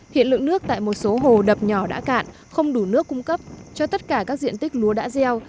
hiện lượng nước tại một số hồ đập nhỏ đã cạn không đủ nước cung cấp cho tất cả các diện tích lúa đã gieo